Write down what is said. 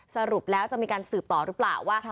สรุปแล้วจะมีการสืบต่อหรือเปล่าว่า